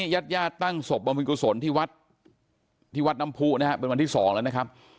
ย่านฆญญาตั้งศพอัมพิกษนที่วัดนะามพูเป็นวันที่๒แล้วนะครับ